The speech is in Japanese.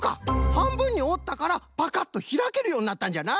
はんぶんにおったからパカッとひらけるようになったんじゃな。